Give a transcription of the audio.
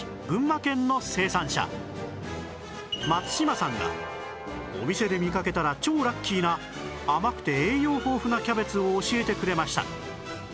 群馬県の生産者松島さんがお店で見かけたら超ラッキーな甘くて栄養豊富なキャベツを教えてくれました